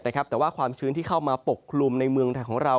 แต่ว่าความชื้นที่เข้ามาปกคลุมในเมืองไทยของเรา